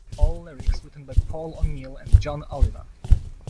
All lyrics written by Paul O'Neill and Jon Oliva.